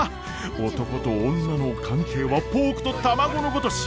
男と女の関係はポークと卵のごとし！